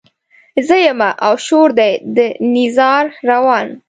زه يمه او شور دی د نيزار روان